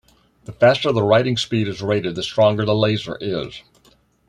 The faster the writing speed is rated, the stronger the laser is.